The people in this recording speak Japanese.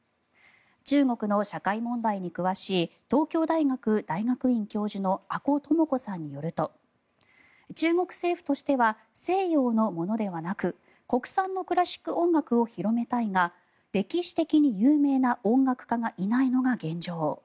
中国の社会問題に詳しい東京大学大学院教授の阿古智子さんによると中国政府としては西洋のものではなく国産のクラシック音楽を広めたいが歴史的に有名な音楽家がいないのが現状。